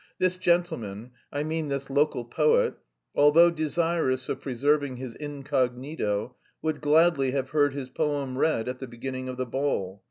this gentleman, I mean this local poet... although desirous of preserving his incognito, would gladly have heard his poem read at the beginning of the ball...